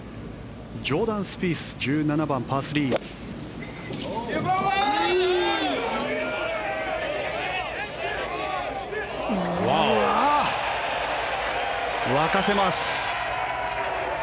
ジョーダン・スピース１７番、パー３。沸かせます。